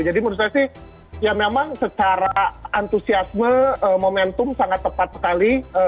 jadi menurut saya sih ya memang secara antusiasme momentum sangat tepat sekali